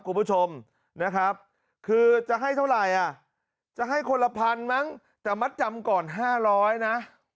คุณผู้ชมนะครับคือจะให้เท่าไหร่อ่ะจะให้คนละพันมั้งแต่มัดจำก่อน๕๐๐นะ